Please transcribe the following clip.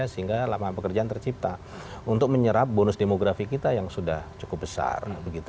sehingga lapangan pekerjaan tercipta untuk menyerap bonus demografi kita yang sudah cukup besar